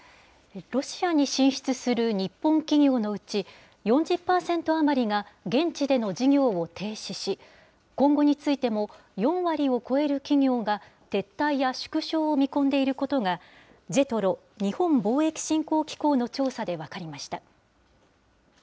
ロシアに進出する日本企業のうち、４０％余りが現地での事業を停止し、今後についても、４割を超える企業が撤退や縮小を見込んでいることが、ＪＥＴＲＯ・日本貿易振興機構の調査で分かりました。